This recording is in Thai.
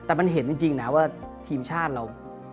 แต่มันเห็นจริงนะว่าทีมชาติเรา